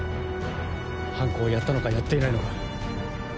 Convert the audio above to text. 犯行をやったのかやっていないのか。